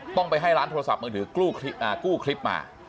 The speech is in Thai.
ต้องไปให้ร้านโทรศัพท์มือถือกู้คลิปมา